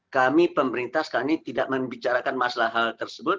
kami pemerintah sekarang ini tidak membicarakan masalah hal tersebut